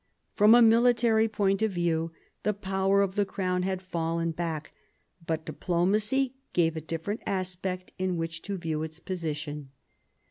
From a military point of view the power of the crown had fallen back, but diplomacy gave a different aspect in which to view its position.